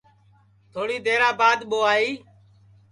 تھوڑی دیرا بعد ٻو آئی